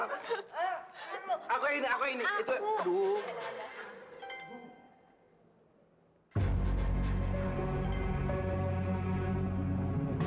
terima kasih samamu